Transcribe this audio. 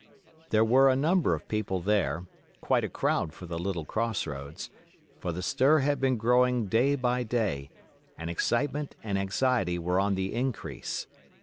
There were a number of people there—quite a crowd for the little Cross roads—for the stir had been growing day by day, and excitement and anxiety were on the increase.